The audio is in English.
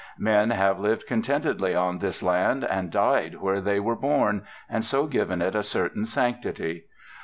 Men have lived contentedly on this land and died where they were born, and so given it a certain sanctity.